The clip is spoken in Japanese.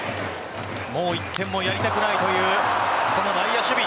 もう１点もやりたくないという内野守備。